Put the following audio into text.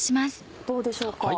どうでしょうか？